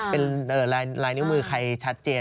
เป็นลายนิ้วมือใครชัดเจน